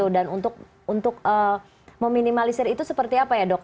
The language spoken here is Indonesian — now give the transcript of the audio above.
dan untuk meminimalisir itu seperti apa ya dok